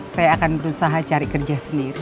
saya akan berusaha cari kerja sendiri